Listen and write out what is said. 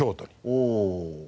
おお。